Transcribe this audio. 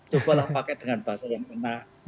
cobalah pakai dengan bahasa yang enak